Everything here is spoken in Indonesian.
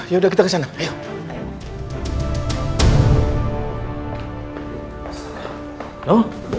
yaudah kita kesana ayo